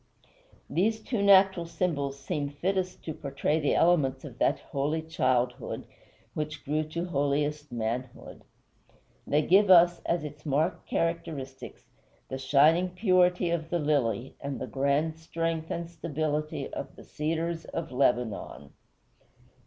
These two natural symbols seem fittest to portray the elements of that holy childhood which grew to holiest manhood. They give us, as its marked characteristics, the shining purity of the lily and the grand strength and stability of the cedars of Lebanon.